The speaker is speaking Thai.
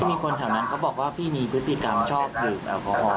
มีคนแถวนั้นเขาบอกว่าพี่มีพฤติกรรมชอบดื่มแอลกอฮอล